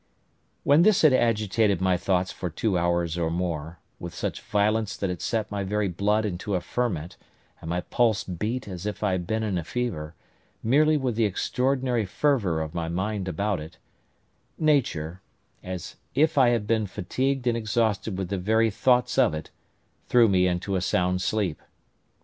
When this had agitated my thoughts for two hours or more, with such violence that it set my very blood into a ferment, and my pulse beat as if I had been in a fever, merely with the extraordinary fervour of my mind about it, Nature—as if I had been fatigued and exhausted with the very thoughts of it—threw me into a sound sleep.